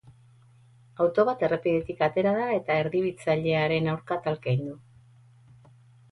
Auto bat errepidetik atera da eta erdibitzailearen aurka talka egin du.